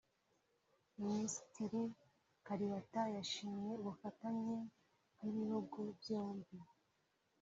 Minisitiri Kalibata yashimye ubufatanye bw’ibihugu byombi